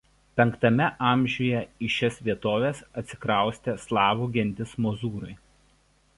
V a. į šias vietoves atsikraustė slavų gentis mozūrai.